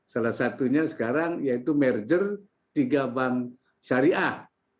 salah satunya sekarang yaitu merger tiga bank syariah